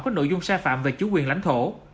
có nội dung sai phạm về chủ quyền lãnh thổ